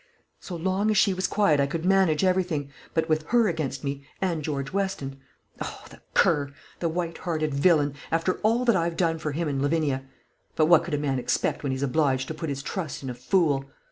So long as she was quiet, I could manage everything. But with her against me, and George Weston oh, the cur, the white hearted villain, after all that I've done for him and Lavinia! But what can a man expect when he's obliged to put his trust in a fool?"